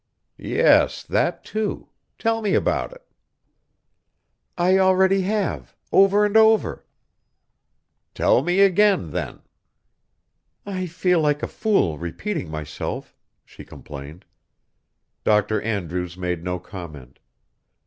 "Yes, that, too. Tell me about it." "I already have. Over and over." "Tell me again, then." "I feel like a fool, repeating myself," she complained. Dr. Andrew's made no comment.